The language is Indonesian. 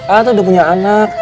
ak tuh udah punya anak